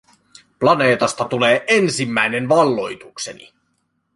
Planeetasta tulee ensimmäinen valloitukseni.